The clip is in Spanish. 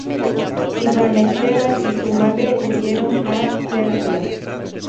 Iván Esteban y su madre huyeron a Serbia.